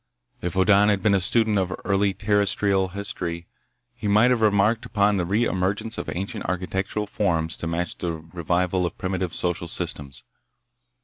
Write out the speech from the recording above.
If Hoddan had been a student of early terrestrial history, he might have remarked upon the re emergence of ancient architectural forms to match the revival of primitive social systems.